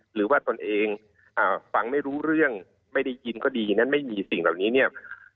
ตนเองฟังไม่รู้เรื่องไม่ได้ยินก็ดีนั้นไม่มีสิ่งเหล่านี้เนี่ย